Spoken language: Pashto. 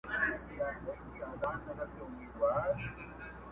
پوره درې مياشتي امير دئ زموږ پېشوا دئ.!